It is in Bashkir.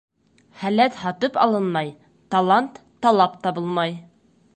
Һәләт һатып алынмай, талант талап табылмай.